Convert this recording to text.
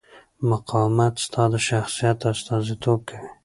مقاومت ستا د شخصیت استازیتوب کوي.